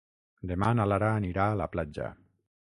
Demà na Lara anirà a la platja.